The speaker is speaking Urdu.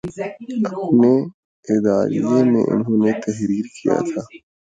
اپنے اداریئے میں انہوں نے تحریر کیا تھا